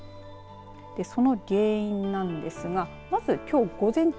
その原因なんですがまずきょう午前中